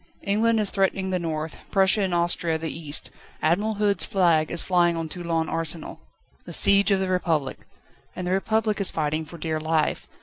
England is threatening the north, Prussia and Austria the east. Admiral Hood's flag is flying on Toulon Arsenal. The siege of the Republic! And the Republic is fighting for dear life.